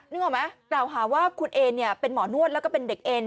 นึกออกไหมกล่าวหาว่าคุณเอนเนี่ยเป็นหมอนวดแล้วก็เป็นเด็กเอ็น